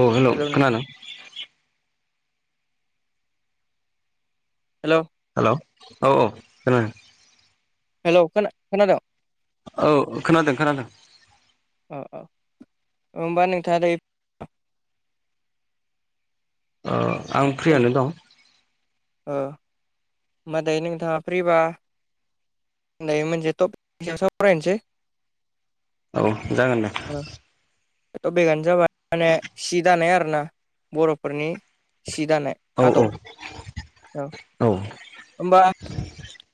औ हेलौ' खोनादों hello hello औ औ खोनादों हेलौ' खोना खोनादों औ खोनादों खोनादों औ औ होमबा नोंथाङा दायो अ आं फ्रियानो दं ओ होमबा दायो नोंथाङा फ्रिबा दायो मोनसे टपिक सायाव सावरायनोसै औ जागोन दे टपिकआनो जाबाय माने सि दानाय आरोना बर'फोरनि सि दानाय औ आदब औ होमबा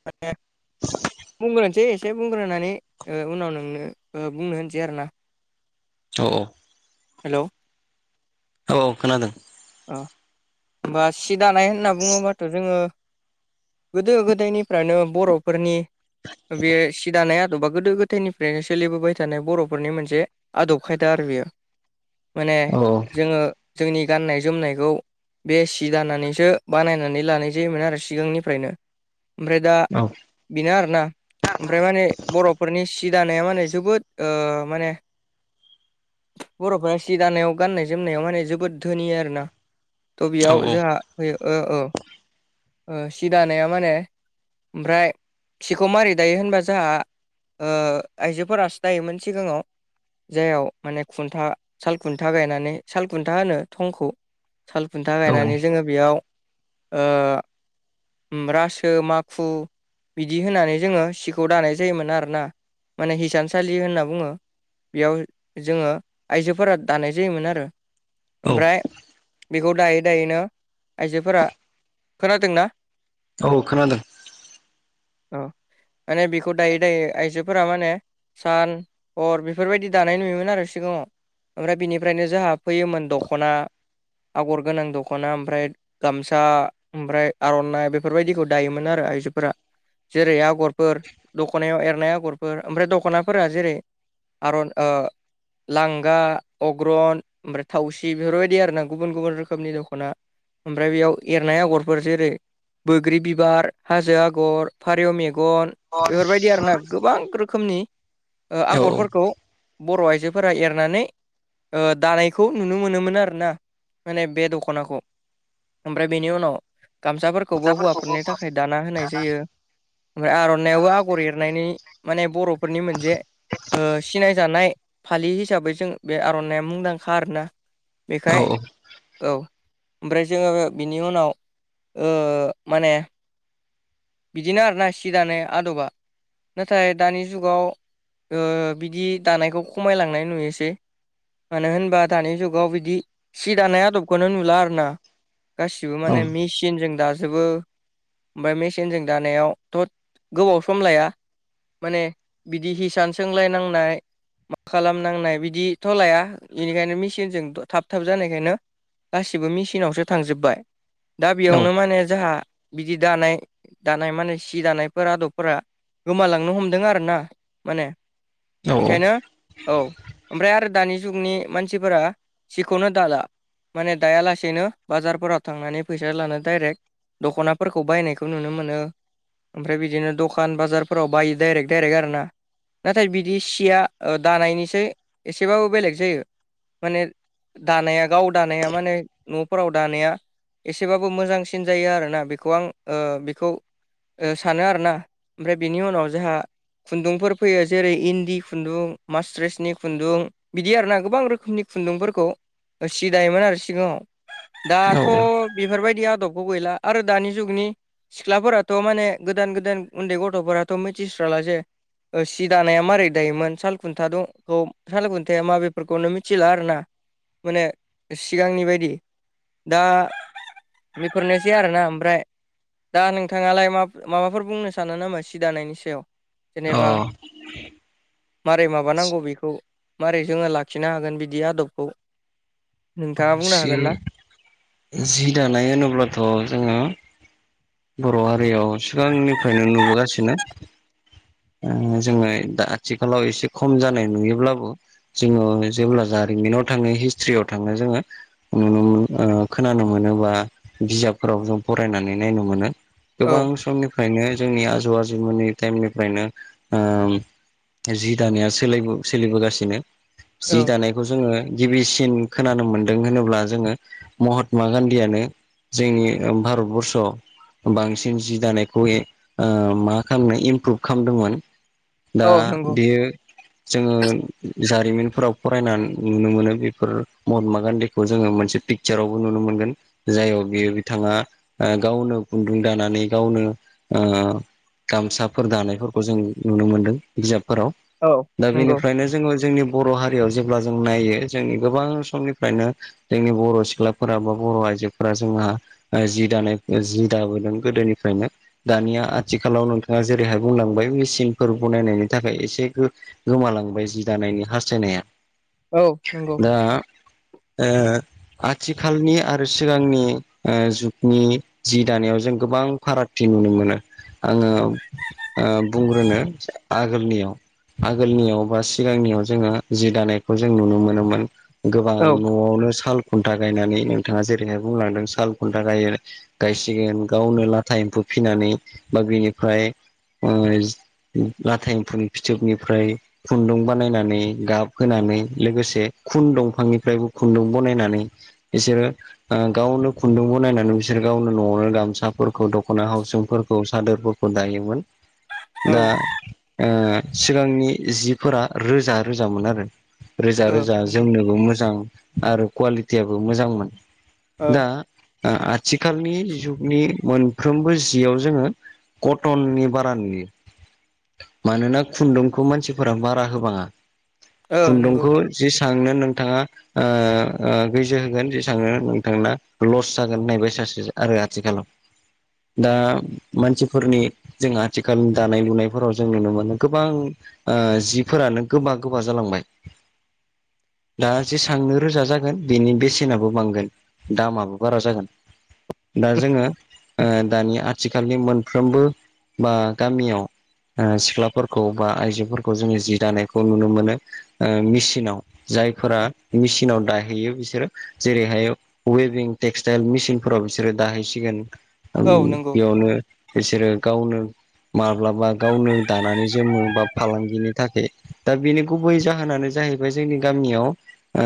माने बुंग्रोनोसै एसे बुंग्रोनानै ओ उनाव नोंनो ओ बुंनो होनसै आरो ना औ औ हेलौ' औ औ खोनादों अ होमबा सि दानाय होनना बुङोबाथ' जोङो गोदो गोदायनिफ्रायनो बर'फोरनि बे सि दानाया द'बा गोदो गोदायनिफ्रायनो सोलिबोबाय थानाय बर'फोरनि मोनसे आदब खायदा आरो बेयो माने औ जोङो जोंनि गाननाय जोमनायखौ बे सि दानानैसो बानायनानै लानाय जायोमोन आरो सिगांनिफ्रायनो ओमफ्राय दा औ बेनो आरो ना। ओमफ्राय माने बर'फोरनि सि दानाया माने जोबोद ओ माने बर'फोरा सि दानायाव गाननाय जोमनायाव माने जोबोद धोनि आरो। त' औ बेयाव जोंहा फैयो ओ औ। सि दानाया माने ओमफ्राय सिखौ मारै दायो होनबा जोंहा आइजोफोरासो नायोमोन सिगाङाव। जायाव माने खुन्था साल खुन्था गायनानै साल खुन्था होनो थंखौ। साल खुन्था औ गायनानै जोङो बेयाव ओ रासो, माखु बिदि होनानै जोङो सिखौ दानाय जायोमोन आरोना माने हिसानसालि होनना बुङो। बेयाव जोङो आइजोफोरा दानाय जायोमोन आरो ओमफ्राय बेखौ दायै दायैनो आइजोफोरा खोनादोंना? औ खोनादों। औ माने बेखौ दायोै दायो आइजोफोरा माने सान हर बेफोरबायदि दानाय नुयोमोन आरो सिगाङाव। ओमफ्राय बिनिफ्रायनो जोंहा फैयोमोन दख'ना आगर गोनां दख'ना ओमफ्राय गामसा ओमफ्राय आर'नाइ बेफोरबायदिखौ दायोमोन आरो आइजोफोरा। जेरै आगरफोर दख'नायाव एरनाय आगरफोर ओमफ्राय दख'नाफोरा जेरै आरन ओ लांगा अग्रन ओमफ्राय थावसि बेफोरबायदि आरो नों गुबुन गुबुन रोखोमनि दख'ना ओमफ्राय बेयाव एरनाय आगरफोर जेरै बग्रि बिबार हाजो आगर फारिौ मेगन बेफोरबायदि आर ना गोबां रो खोमनि ओ औ औ आगरफोरखौ बर' आइजोफोरा एरनानै दानायखौ नुनो मोनोमोन आर ना। माने बे दख'नाखौ ओमफ्राय बेनि उनाव गामसाफोर खौबो खोथाफोरखौबो हौवाफोरनि थाखाय दाना होनाय जायो। ओमफ्राय आर'नाइयाबो आगर एरनायनि माने बर'फोरनि मोनसे सिनायजानाय फालि हिसाबै जों बे आर'नाइया मुंदांखा आरोना। औ बेखाय औ ओमफ्राय जोङो बेनि उनाव ओ माने बिदिनो आरो ना सि दानाय आदबा। नाथाय दानि जुगाव बिदि दानायखौ खमायलांनाय नुयोसै। मानो होनबा दानि जुगाव बिदि सि दानाय आदबखौनो नुला आरो ना। गासिबो औ माने मेचिनजों दाजोबो ओमफाय मेसि नजों दानायावथ' गोबाव सम लाया। माने बिदि हिसान सोंलाय नांनाय मा खालामनांनाय बिदिथ' लाया बेनिखायनो मेसिनजों थाब थाब जानायखायनो गासिबो मेसिनावसो थांजोब्बाय दा बेयावनो माने जोंहा बिदि दानाय दानाय माने सि दानायफोर आदबफोरा गोमालांनो हमदों आरो ना माने औ बेखायनो औ। ओमफ्राय आरो दानि जुगनि मानसिफोरा सिखौनो दाला। माने दाया लासेैनो बाजारफोराव थांनानै फैसा लानो डाइरेक्ट दख'नाफोरखौ बायनायखौ बेखौ नुनो मोनो ओमफ्राय बिदिनो दखान बाजारफोराव बायो दडायरेक्ट दडायरेक्ट आरो ना। नाथाय बिदि सिया दानायनिसै एसेबाबो बेलेग जायो। माने दानाया गाव दानाया माने न'फोराव दानाया एसेबाबो मोजांसिन जायो आरोना बेखौ आं ओ बेखौ सानो आरोना ओमफ्राय बिनि उनाव जोंहा खुन्दुंफोर फैयो जेरै इन्दि खुन्दुं मास्ट्रेसनि खुन्दुं बिदि आर ना गोबां रोखोमनि खुन्दुंफोरखौ सि दायोमोन आरो सिगाङाव औ दाथ' बेफोरबायदि आदबबो गैला आरो दानि जुगनि सिख्लाफोराथ' माने गोदान गोदान उन्दै गथ'फोराथ' मिथिस्राला जे सि दानाया मारै दायोमोन साल खुन्था दंखौ साल खुन्थाया मा बेफोरखौनो मिथिला आरोना माने सिगांनि बायदि दा बेफोरनोसै आरोना ओमफ्राय दा नोंथाङालाय मा माबाफोर बुंनो सानो नामा सि दानायनि सायाव अ जेनेबा [inaudible] मारै माबानांगौ बेखौ मारै जोङो लाखिनो हागोन बिदि आदबखौ नोंथाङा बुंनो सि हागोन ना जि दानाय होनोब्लाथ' जोङो बर' हारियाव सिगांनिफ्रायनो नुबोगासिनो जोङो दा आथिखालाव एसे खम जानाय नुयोब्लाबो जोङो जेब्ला जारिमिनाव थाङो हिस्ट्रियाव थाङो जोङो नुनो मोन ओ खोनानो मोनोबा बिजाबफोराव जों फरायनानै नायनां मोनो औ गोबां समनि फ्रायनो जोंनि आजौ आजौमोननि टाइमनिफ्रायनो ओम जि दानाया सोलाय सोलिबोगासिनो जि औ दानाय खौ जोङो गिबिसिन खोनानो मोनदों होनोब्ला जोङो महात्मा गान्धीयानो जोंनि भारतबर्सआव बांसिन जि दानायखौ ओ मा खामनो इमप्रुभ खामदोंमोन दा औ नंगौ बेयो जोङो जारिमिनफोराव फरायना नुनो मोनो बेफोर महात्मा गान्धीखौ जोङो मोनसे पिक जेरावबो नुनो मोनगोन जाय बियो बिथाङा गावनो खुन्दुं दानानै गावनो ओ गामसाफोर दानायफोरखौ जों नुनो मोनदों बिजाबफोराव औ दा नंगौ बेनिफ्रायनो जोङो जोंनि बर' हारियाव जेब्ला जों नायो जोंनि गोबां समनिफ्रायनो जोंनि बर' सिख्लाफोरा बा बर' आइजोफोरा जोंहा जि दानाय जि दाबोदों गोदोनिफ्रायनो दानिया आथिखालाव नोंथाङा जेरैहाय बुंलांबाय मेसिनफोर बनायनायनि थाखाय एसे गोमालांबाय जि दानायनि हास्थायनाया औ नंगौ दा ओ आथिखालनि आरो सिगांनि ओ जुगनि जि दानायाव जों गोबां फारागथि नुनो मोनो आङो बुंग्रोनो आगोलनियाव आगोलनियाव बा सिगांनियाव जोङो जि दानायखौ जों नुनो मोनोमोन गोबां औ न'आवनो साल खुन्था गायनानै नोंथाङा जेरैहाय बुंलांदों साल खुन्था गायो सिगोन गावनो लाथा एम्फौ फिसिनानै बा बिनिफ्राय ओम लाथा एम्फौनि फिथोबनिफ्राय खुन्दुं बानायनानै गाब होनानै लोगोसे खुन दंफांनिफ्रायबो खुन्दुं बनायनानै बिसोरो गावनो खुन्दुंखौ बनायनानै बिसोर गाव न'आवनो गामसाफोरखौ दख'ना हाउसिंफोरखौ सादोरफोरखौ दायोमोन औ दा सिगांनि जिफोरा रोजा रोजामोन आरो रोजा ओ रोजा नंगौ जोमनोबो मोजां आरो कुवालिटियाबो मोजांमोन ओ दा आथिखालनि जुगनि मोनफ्रोमबो जियाव जोङो कटननि बारा नुयो मानोना खुन्दुंखौ मानसिफोरा बारा होबाङा ओ नंगौ खुन्दुंखौ जिसांनो नोंथाङा ओ गोजो होगोन जेसांनो नोंथांना लस जागोन होननाय बायसासो आरो आथिखालाव दा मानसिफोरनि जों आथिखाल दानाय लुनायफोराव जों नुनो मोनो गोबां ओ जिफोरानो गोबा गोबा जालांबाय दा जेसांनो रोजा जागोन बेनि बेसेनाबो बांगोन दामाबो बारा जागोन। दा जोंना ओ दानि आथिखालनि मोनफ्रोमबो बा गामियाव ओ सिख्लाफोरखौ बा आइजोफोरखौ जोङो जि दानायखौ नुनो मोनो। ओ मिसिनाव जायफोरा मिसिनाव दाहैयो बिसोरो जेरैहाय उयेबिं टेक्सटाइल मिसिंफोराव सोरो दाहैसिगोन उम औ नंगौ बेयावनो बिसोरो गावनो माब्लाबा गावनो दानानै जोमो बा फालांगिनि थाखै दा बेनि गुबै जाहोनानो जाहैबाय जोंनि गामियाव आ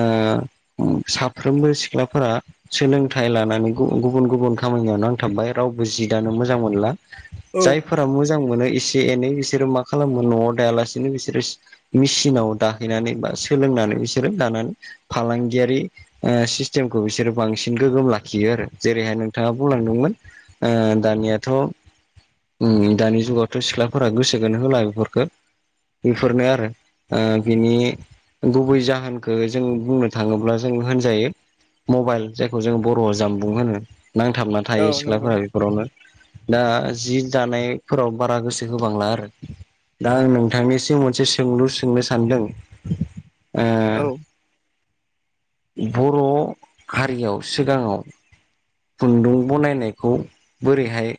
उम साफ्रोमबो सिख्लाफोरा सोलोंथाइ लानानै गु गुबुन गुबुन खामानियाव नांथाब्बाय रावबो जि दानो मोजां मोनला। औ जाय फोरा मोजां मोनो एसे एनै बिसोरो मा खालामो न'आव दायालासिनो बिसोरो मिसिनाव दाहैनानै बा सोलोंनानै बिसोरो दानानै फालांगियारि ओ सिस्टेमखौ बिसोरो बांसिन गोगोम लाखियो आरो। जेरैहाय नोंथाङा बुंलांदोंमोन ओ दानियाथ' उम दानि जुगावथ' सिख्लाफोरा गोसोखोनो होला बेफोरखो। बेफोरनो आरो ओ बिनि गुबै जाहोनखो जों बुंनो थाङोब्ला जों होनजायो। मबाइल जायखौ जों बर'आव जामबुं होनो नांथाबना औ थायो नंगौ सिख्लाफोराय बेफोरावनो दा जि दानायफोराव बारा गोसो होबांला आरो। दा आं नोंथांनिसिम मोनसे सोंलु सोंनो सानदों। ओ औ बर' हारियाव सिगाङाव खुन्दुं बनायनायखौ बोरैहाय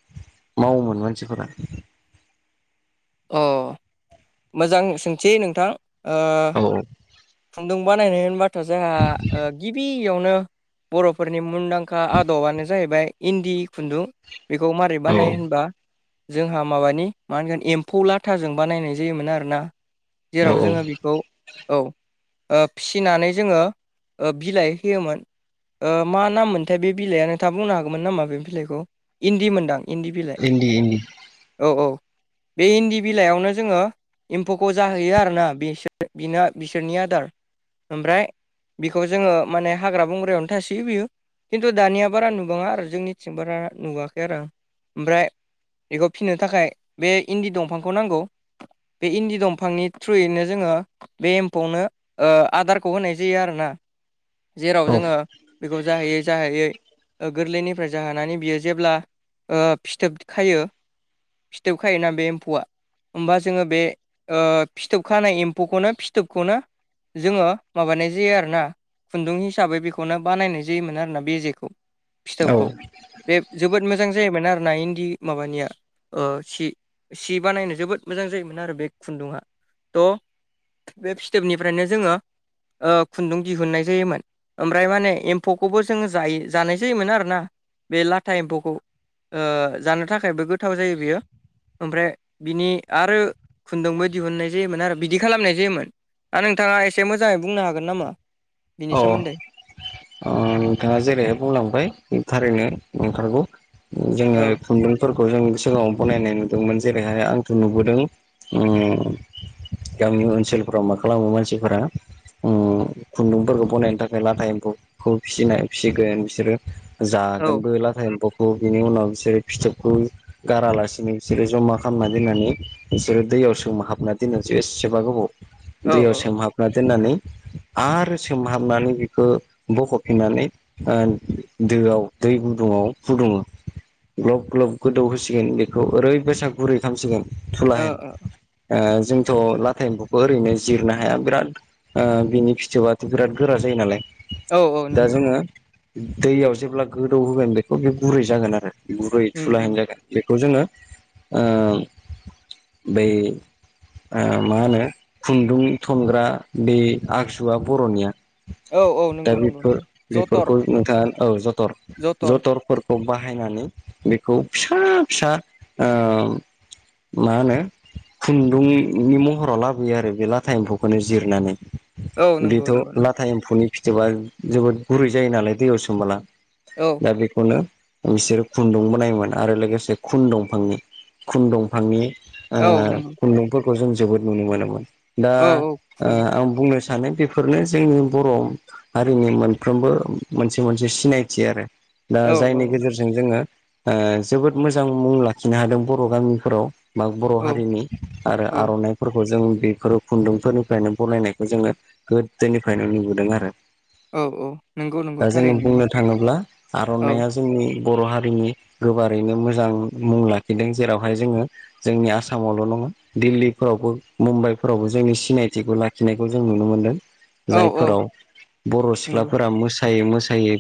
मावोमोन मानसिफोरा? अ मोजां सोंथि नोंथां। ओ खुन्दुं बानायनाय होनबाथ' जोंहा ओ गिबियावनो बर'फोरनि मुन्दांखा आदबानो जाहैबाय इन्दि खुन्दुं। बेखौ मारै औ बानायो होनबा जोंहा माबानि मा होनगोन एम्फौ लाथाजों बानायनाय जायोमोन आरोना। औ जेराव जोङो बिखौ औ ओ फिनानै जोङो ओ बिलाइ होयोमोन। ओ मा नाम मोनथाय बे बिलाइआ? नोंथा बुंनो हागौमोन नामा बे बिलाइखौ? इन्दि मोनदां। इन्दि बिलाइ इन्दि इन्दि औ औ बे इन्दि बिलाइआवनो जोङो एम्फौखौ जाहैयो आरोना बेसो बिना बिसोरनि आदार ओमफ्राय बिखौ जोङो माने हाग्रा बंग्रायावनो थासोयो बियो। खिन्थु दानिया बारा नुबाङा आरो जोंनिथिं बारा नुवाखै आरो आं। ओमफ्राय एखौ फिनो थाखाय बे इन्दि दंफांखौ नांगौ। बे इन्दि दंफांनि थ्रुयैनो जोङो बे एम्फौनो ओ आदारखौ होनाय जायो आरोना जेराव औ जोङो बेखौ जाहोयै जाहोयै ओ गोरलैनिफ्राय जाहोनानै बियो जेब्ला ओ फिथोब खायो फिथोब खायोना बे एम्फौआ ओमबा जोङो बे फिथोब खानाय एम्फौखौनो फिथोबखौनो जोङो माबानाय जाया आरोना खुन्दुं हिसाबै बेखौनो बानायनाय जायोमोन आरोना बेजेखौ औ फिथोबखौ। बे जोबोद मोजां जायोमोन आरना इन्दि माबानिया ओ सि सि बानायनो जोबोद मोजां जायोमोन आरो बे खुन्दुआ। थ' बे फिथोबनिफ्रायनो जोङो ओ खुन्दुं दिहुन्नाय जायोमोन। ओमफ्राय माने एम्फौखौबो जोङो जायो जानाय जायोमोन आरोना बे लाथा एम्फौखौ। ओ जानो थाखायबो गोथाव जायो बियो। ओमफ्राय बिनि आरो खुन्दुंबो दिहुननाय जायोमोन आरो बिदि खालामनाय जायोमोन। दा नोंथाङा एसे मोजाङै बुंनो हागोन नामा? बिनि अ सोमोन्दै ओ नोंथाङा जेरैहाय बुंलांबाय थारैनो नोंथारगौ। जोङो औ खुन्दुं। फोरखौ जों सिगाङाव बनायनाय नुदोंमोन जेरैहाय आंथ' नुबोदों। गामि ओनसोलफोराव मा खालामो मानसिफोरा ओम खुन्दुंफोरखौ बनायनो थाखाय लाथा एम्फौखौ फिसिनाय फिसिगोन बिसोरो औ जागोनबो लाथा एम्फौखौ बिनि उनाव बिसोरो फिथोबखौ गारालासिनो बिसोरो जमा खालामना दोननानै। बिसोरो दैयाव सोम हाबना दोननानैस एसेबा गोबाव औ दैयाव औ सोमहाबना दोननानै। आरो सोमहाबनानै बिखौ बख'फिननानै दोआव दै गुदुङाव फुदुङो ग्लब ग्लब गोदौ होसिगोन बेखौ ओरैबायसा गुरै खालामसिगोन थुला ओ होन ओ जोंथ' लाथथाय एम्फौखौ ओरैनो जिरनो हाया बिराद बिनि फि फि जोबाथ' बिराद गोरा जायो नालाय औ औ दा नंगौ जोङो दैयाव जेब्ला गोदौ होगोन बेखौ बे गुरै जागोन आरो गुरै उम थुलााय उम होननाय जागोन। बेखौ जोङो। बै मा होनो खुन्दुं थनग्रा ब आग फिसुआ बर'निया औ औ दा नंगौ नंगौ बेफोर नंगौ जथर बेफोरखौ नोंथाङा औ जथर जथर खौ बाहायनानै बेखौ फिसा फिसा ओ मा होनो खुन्दुंनि महराव लाबोयो आरो बे लाथा एम्फौखौनो जिरनानै‌ औ नंगौ बेथ' नंगौ नंगौ लाथा एम्फौनि फिथोबा जोबोद गुरै जायो नालाय दैयाव सोमबोला। औ दा बेखौनो बिसोरो खुन्दुं ब नायोमोन आरो लोगोसे खुन दंफांनि खुन दंफांनि औ नंगौ खुन्दुंफोरखौ जों जोबोद नुनो मोनोमोन दा औ औ खुन आं बुंनो सानो बे बे फोरनो जोंनि बर' हारिनि मोनफ्रोमबो मोनसे मोनसे सिनायथि आरो। दा औ जायनि गेजेरजों जोङो जोबोद मोजां मुं लाखिनो हादों बर' गामिफोराव बाग बर' औ हारिनि आरो औ आर'नाइ फोरखौ जों बेफोर खुन्दुंफोरनिफ्रायनो बरायनायखौ जोङो गोदोनिफ्रायनो नुबोदों आरो। औ औ नंगौ नंगौ दा जोङो थारैनो बुंनो थाङोब्ला औ आर'नाइया जोंनि बर' हारिनि गोबारैनो मोजां मुं लाखिदों जेरावहाय जोङो। जोंनि आसामावल' नङा दिल्लीफोरावबो मुम्बाइफोरावबो जोंनि सिनायथिखौ लाखिनायखौ जों नुनो मोनदों। औ औ जायफोराव बर' नंगौ सिख्लाफोरा मोसायै मोसायै